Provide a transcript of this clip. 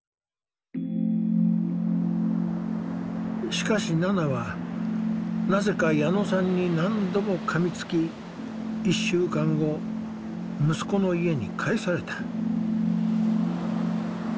しかしナナはなぜか矢野さんに何度もかみつき１週間後息子の家に帰された。